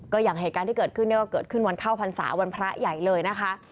ก็อย่างเหตุการณ์ที่เกิดขึ้นเนี่ยก็เกิดขึ้นวันเข้าพรรษาวันพระใหญ่เลยนะคะ